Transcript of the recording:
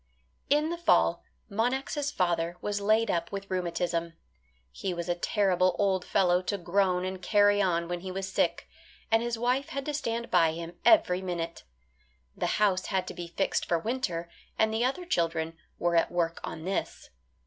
In the fall Monax' father was laid up with rheumatism. He was a terrible old fellow to groan and carry on when he was sick, and his wife had to stand by him every minute. The house had to be fixed for winter, and the other children were at work on this.